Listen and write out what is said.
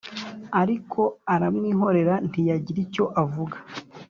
ariko aramwihorera ntiyagira icyo avuga.